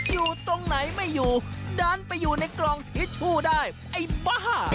อยู่ตรงไหนไม่อยู่ดันไปอยู่ในกล่องทิชชู่ได้ไอ้บ้า